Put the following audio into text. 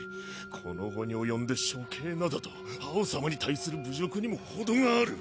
この期に及んで処刑などとハオ様に対する侮辱にもほどがある！